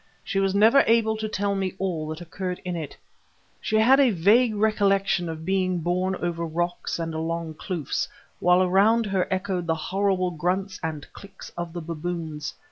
She was never able to tell me all that occurred in it. She had a vague recollection of being borne over rocks and along kloofs, while around her echoed the horrible grunts and clicks of the baboons.